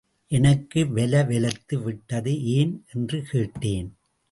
எனக்கு வெல வெலத்து விட்டது ஏன்? என்று கேட்டேன்.